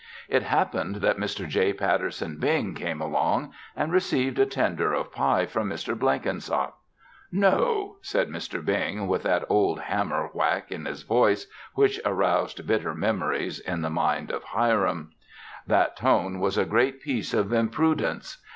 It happened that Mr. J. Patterson Bing came along and received a tender of pie from Mr. Blenkinsop. "No!" said Mr. Bing, with that old hammer whack in his voice which aroused bitter memories in the mind of Hiram. That tone was a great piece of imprudence.